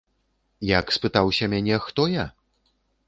Як спытаўся мяне, хто я?